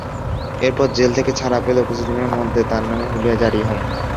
এরপর জেল থেকে ছাড়া পেলেও কিছুদিনের মধ্যে তাঁর নামে হুলিয়া জারি হয়।